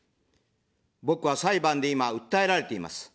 僕は裁判で今、訴えられています。